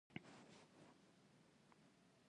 باسواده ښځې د نړۍ مشرانې دي.